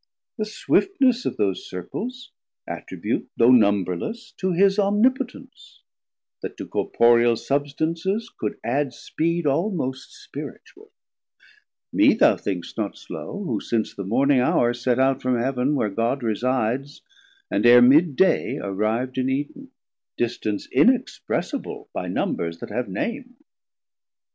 The swiftness of those Circles attribute, Though numberless, to his Omnipotence, That to corporeal substances could adde Speed almost Spiritual; mee thou thinkst not slow, 110 Who since the Morning hour set out from Heav'n Where God resides, and ere mid day arriv'd In Eden, distance inexpressible By Numbers that have name.